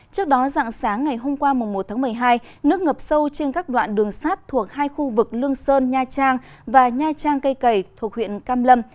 trước đó dạng sáng ngày hôm qua một tháng một mươi hai nước ngập sâu trên các đoạn đường sát thuộc hai khu vực lương sơn nha trang và nha trang cây cầy thuộc huyện cam lâm